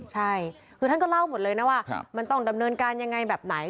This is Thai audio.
ใช่คือท่านก็เล่าหมดเลยนะว่ามันต้องดำเนินการยังไงแบบไหน